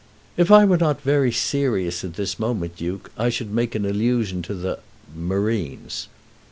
"If I were not very serious at this moment, Duke, I should make an allusion to the Marines."